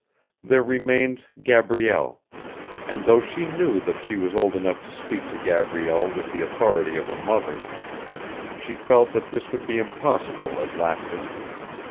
There remained Gabrielle, and though she knew that she was old enough to speak to Gabrielle with the authority of a mother, she felt that this would be impossible at Lapton.